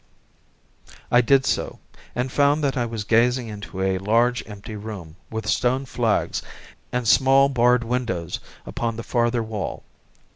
I did so, and found that I was gazing into a large, empty room, with stone flags, and small, barred windows upon the farther wall.